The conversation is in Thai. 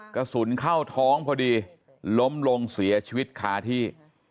กระสุนเข้าท้องพอดีล้มลงเสียชีวิตคาที่